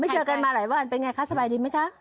เจอกันมาหลายวันเป็นไงคะสบายดีไหมคะ